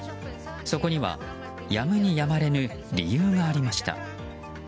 そこには、やむにやまれぬ理由がありました。